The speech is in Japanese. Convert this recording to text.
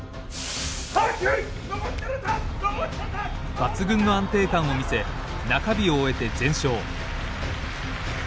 抜群の安定感を見せ中日を終えて全勝。